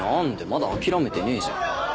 まだ諦めてねえじゃん。